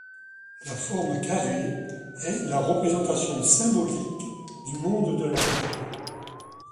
La forme carrée est la représentation symbolique du monde de la terre.